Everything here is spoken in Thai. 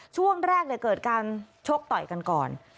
ช่วงแรกเกิดการชกต่อยกันก่อน